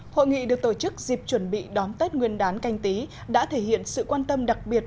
hội nghị được tổ chức dịp chuẩn bị đón tết nguyên đán canh tí đã thể hiện sự quan tâm đặc biệt